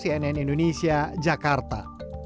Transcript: dari kepala pemerintahan indonesia jakarta